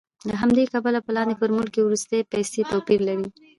له همدې کبله په لاندې فورمول کې وروستۍ پیسې توپیر لري